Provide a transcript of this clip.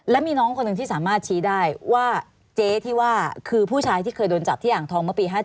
และมีน้องคนหนึ่งที่สามารถชี้ได้ว่าเจ๊ที่ว่าคือผู้ชายที่เคยโดนจับที่อ่างทองเมื่อปี๕๗